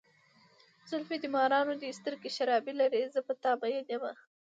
زلفې دې مارانو دي، سترګې شرابي لارې، زه په ته ماين یمه.